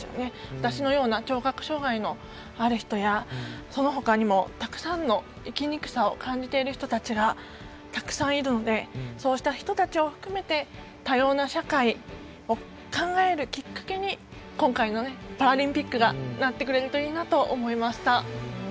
私のような聴覚障がいのある人やそのほかにもたくさんの生きにくさを感じている人たちがたくさんいるのでそうした人たちを含めて多様な社会を考えるきっかけに今回のパラリンピックがなってくれるといいなと思いました。